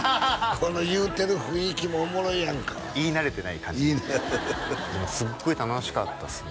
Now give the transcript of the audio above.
この言うてる雰囲気もおもろいやんか言い慣れてない感じでもすっごい楽しかったっすね